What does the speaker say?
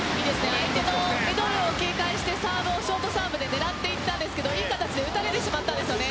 相手のミドルを警戒してサーブをショートサーブで狙っていったんですがいい形で打たれてしまったんですよね。